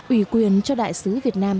ủy quyền cho đại sứ việt nam